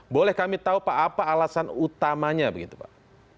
boleh kami tahu pak apa alasan utamanya begitu pak